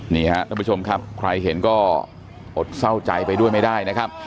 นี่ครับท่านผู้ชมครับใครเห็นก็อดเศร้าใจไปด้วยไม่ได้นะครับ